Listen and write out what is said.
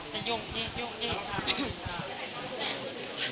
จะโยงดีโยงดี